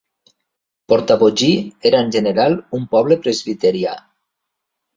Portavogie era en general un poble presbiterià.